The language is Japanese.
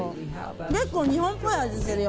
結構日本っぽい味するよ。